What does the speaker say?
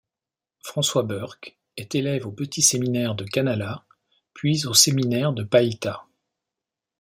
François Burck est élève au petit séminaire de Canala puis au séminaire de Païta.